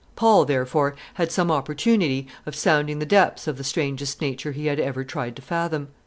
Paul therefore had some opportunity of sounding the depths of the strangest nature he had ever tried to fathom.